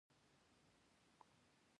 ګوالمنډۍ چوک ته نزدې.